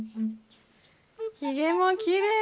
ひげもきれいまだ。